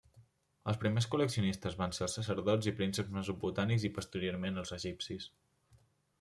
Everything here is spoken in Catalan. Els primers col·leccionistes van ser els sacerdots i prínceps mesopotàmics i posteriorment els egipcis.